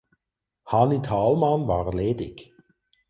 Hanny Thalmann war ledig.